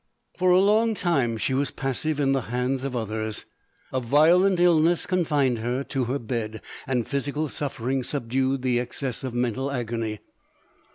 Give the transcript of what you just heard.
For a long time she was passive in the hands of others. A violent illness confined her to her bed, and physical suffering subdued the excess of mental agony.